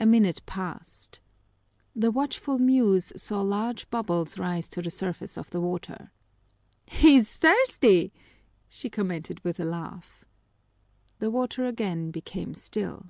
A minute passed. The watchful Muse saw large bubbles rise to the surface of the water. "He's thirsty," she commented with a laugh. The water again became still.